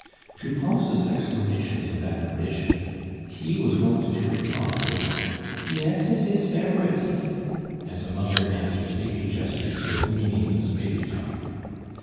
To Pons' exclamations of admiration, he was wont to reply with a "Yes, it is ver' bretty," as a mother answers baby gestures with meaningless baby talk.